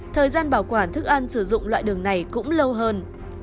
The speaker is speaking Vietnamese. thời gian bảo quản thức ăn sử dụng loại đường này cũng lâu hơn